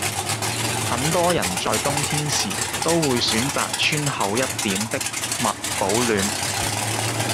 很多人在冬天時都會選擇穿厚一點的襪保暖